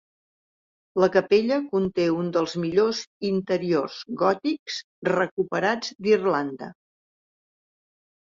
La capella conté un dels millors interiors gòtics recuperats d'Irlanda.